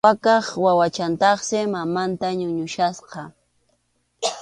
Waqaq wawachataqsi mamanta ñuñuchkasqa.